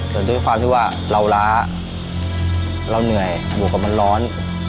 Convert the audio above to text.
แต่ด้วยความที่ว่าเราล้าเราเหนื่อยบวกกับมันร้อน